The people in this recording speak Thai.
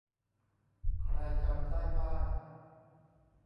ใครจำได้บ้าง